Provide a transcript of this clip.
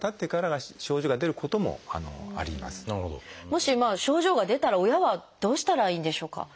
もし症状が出たら親はどうしたらいいんでしょうか？